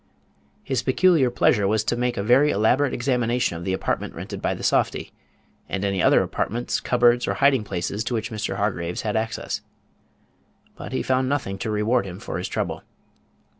His peculiar pleasure was to make a very elaborate examination of the apartment rented by the softy, and any other apartments, cupboards, or hiding places to which Mr. Hargraves had access. But he found nothing to reward him for his trouble.